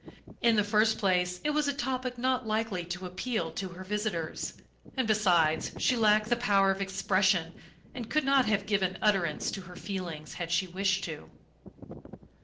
In the first place it was a topic not likely to appeal to her visitors and, besides, she lacked the power of expression and could not have given utterance to her feelings had she wished to.